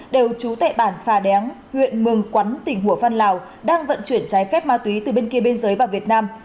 đều trú tại bản phà đéng huyện mường quắn tỉnh hủa phan lào đang vận chuyển trái phép ma túy từ bên kia biên giới vào việt nam